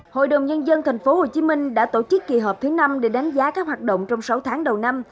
hội đồng nhân dân tp hcm đã tổ chức kỳ họp thứ năm để đánh giá các hoạt động trong sáu tháng đầu năm